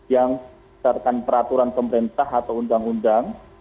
yang berdasarkan peraturan pemerintah atau undang undang